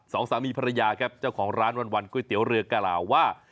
สองสามีภรรยาครับเจ้าของร้านวันก๋วยเตี๋ยวเรือกล่าวว่า